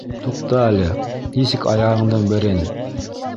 Туҡта әле, нисек аяғыңдың берен...